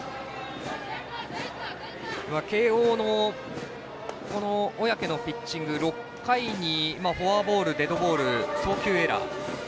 慶応の小宅のピッチング６回にフォアボールデッドボール送球エラー。